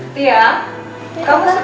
tia kamu suka orange juice gak